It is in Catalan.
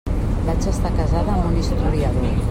Vaig estar casada amb un historiador.